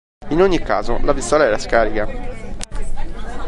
In ogni caso, la pistola era scarica...